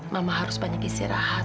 mama harus banyak istirahat